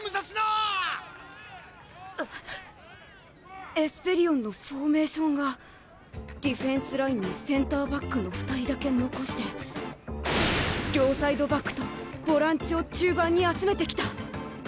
えっエスペリオンのフォーメーションがディフェンスラインにセンターバックの２人だけ残して両サイドバックとボランチを中盤に集めてきた！